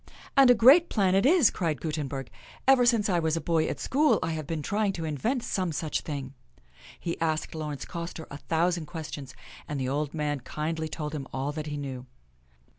"And a great plan it is !" cried Gutenberg. " Ever since I was a boy at school I have been trying to invent some such thing." He asked Laurence Coster a thousand questions, and the old man kindly told him all that he knew.